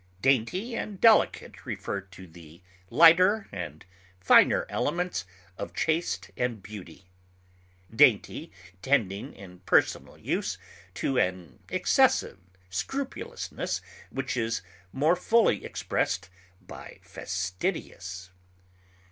Dainty and delicate refer to the lighter and finer elements of taste and beauty, dainty tending in personal use to an excessive scrupulousness which is more fully expressed by fastidious.